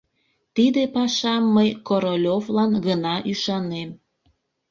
Тиде пашам мый Королёвлан гына ӱшанем!